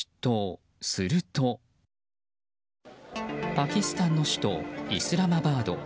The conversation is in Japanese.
パキスタンの首都イスラマバード。